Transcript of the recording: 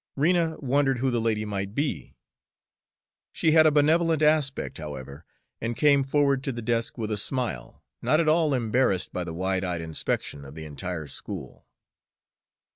Rena wondered who the lady might be. She had a benevolent aspect, however, and came forward to the desk with a smile, not at all embarrassed by the wide eyed inspection of the entire school.